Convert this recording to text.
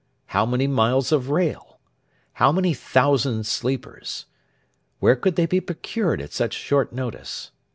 How many miles of rail? How many thousand sleepers? Where could they be procured at such short notice?